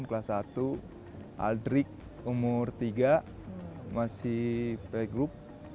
kelas satu aldrik umur tiga masih playgroup